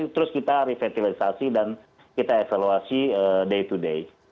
terus kita revitalisasi dan kita evaluasi day to day